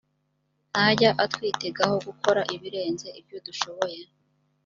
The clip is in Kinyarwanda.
ntajya atwitegaho gukora ibirenze ibyo dushoboye